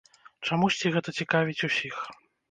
Чамусьці, гэта цікавіць усіх.